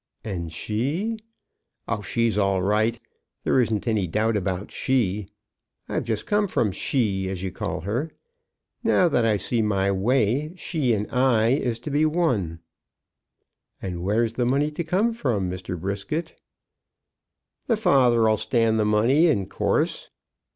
"And she ?" "Oh, she's all right. There isn't any doubt about she. I've just come from she, as you call her. Now that I see my way, she and I is to be one." "And where's the money to come from, Mr. Brisket?" "The father 'll stand the money in course."